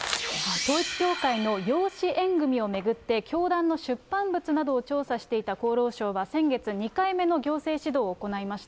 統一教会の養子縁組を巡って、教団の出版物などを調査していた厚労省は先月、２回目の行政指導を行いました。